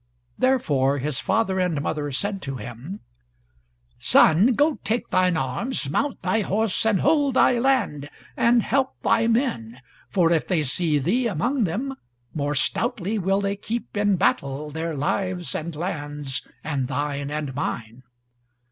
Therefore his father and mother said to him; "Son, go take thine arms, mount thy horse, and hold thy land, and help thy men, for if they see thee among them, more stoutly will they keep in battle their lives, and lands, and thine, and mine."